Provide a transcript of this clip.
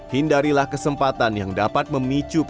hidarlah kejadian congkori dan wangi